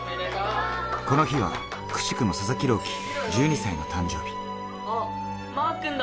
この日は奇しくも佐々木朗希１２歳の誕生日。